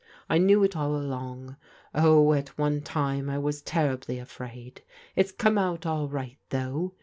I knew it all along. Oh, at one time I was terribly afraid. It's come out all right, though.